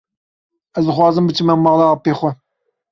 Ez dixwazim biçime mala apê xwe.